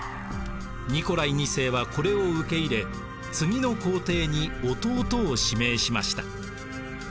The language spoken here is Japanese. ニコライ２世はこれを受け入れ次の皇帝に弟を指名しました。